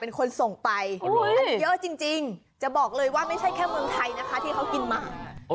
อันนี้เยอะจริงจะบอกเลยว่าไม่ใช่แค่เมืองไทยนะคะที่เขากินมาก